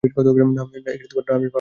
না, আমি পাপ করেছি।